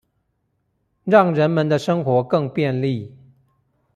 讓人們的生活更便利